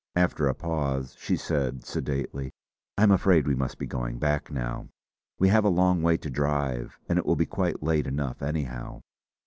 After a pause she said sedately: "I'm afraid we must be going back now. We have a long way to drive; and it will be quite late enough anyhow."